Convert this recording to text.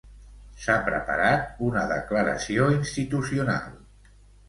S'ha preparat una declaració institucional.